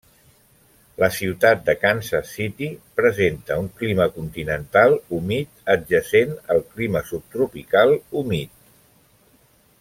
La ciutat de Kansas City presenta un clima continental humit adjacent al clima subtropical humit.